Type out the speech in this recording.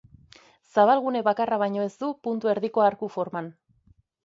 Zabalgune bakarra baino ez du puntu erdiko arku forman.